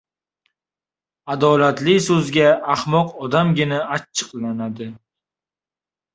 Adolatli soʻzga ahmoq odamgina achchiqlanadi.